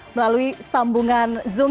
melalui sambungan zoom